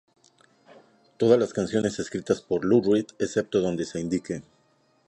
Todas las canciones escritas por Lou Reed excepto donde se indique.